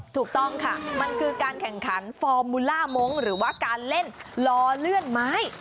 ถูกต้องค่ะมันคือการแข่งขันฟอร์มูล่ามงค์หรือว่าการเล่นล้อเลื่อนไม้